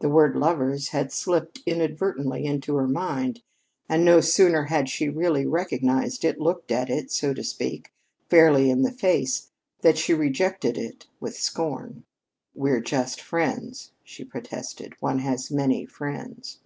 The word "lovers" had slipped inadvertently into her mind; and no sooner had she really recognized it, looked at it, so to speak, fairly in the face, than she rejected it with scorn. "We're just friends," she protested. "One has many friends."